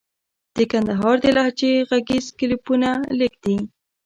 د کندهار د لهجې ږغيز کليپونه لږ دي.